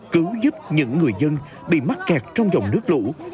cứu giúp những người dân bị mắc kẹt trong dòng nước lũ